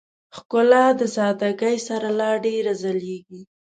ښکلا د سادهګۍ سره لا ډېره ځلېږي.